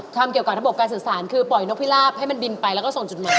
ทำเกี่ยวกับระบบการสื่อสารคือปล่อยนกพิราบให้มันบินไปแล้วก็ส่งจุดหมาย